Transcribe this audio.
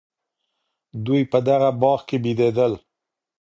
دوی په دغه باغ کي بېدېدل.